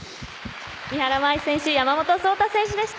三原舞依選手山本草太選手でした。